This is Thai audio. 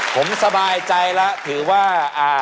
ผมสบายใจแล้วถือว่า